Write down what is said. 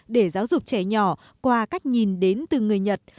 để giáo dục trẻ nhỏ qua cách nhìn đến từ người nhật